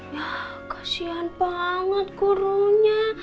ya kasihan banget gurunya